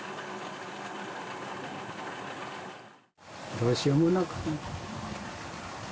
どうしようもない。